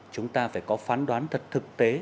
chúng ta phải có phán đoán thật thực tế